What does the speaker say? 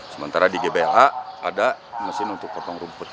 sementara di gba ada mesin untuk potong rumput